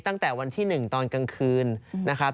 ตั้งแต่วันที่๑ตอนกลางคืนนะครับ